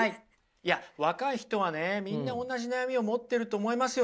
いや若い人はねみんな同じ悩みを持ってると思いますよ